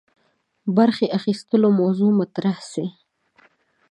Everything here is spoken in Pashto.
برخي اخیستلو موضوع مطرح سي.